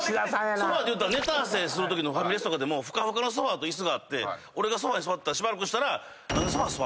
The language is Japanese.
ソファで言うたらネタ合わせするときのファミレスとかでもふかふかのソファと椅子があって俺ソファに座ってしばらくしたら。